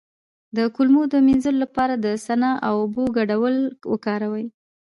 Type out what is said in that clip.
د کولمو د مینځلو لپاره د سنا او اوبو ګډول وکاروئ